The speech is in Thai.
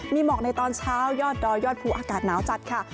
มีหมอกในตอนเช้ายอดดอยยอดภูอากาศหนาวจัดค่ะ